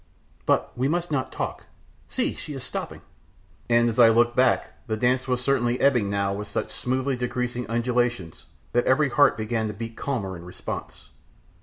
But we must not talk; see! she is stopping." And as I looked back, the dance was certainly ebbing now with such smoothly decreasing undulations, that every heart began to beat calmer in response.